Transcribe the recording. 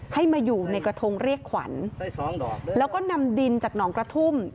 ให้มาอยู่ในกระทงเรียกขวัญแล้วก็นำดินจากหนองกระทุ่ม